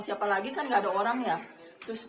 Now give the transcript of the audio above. siapa lagi kan enggak ada orang ya terus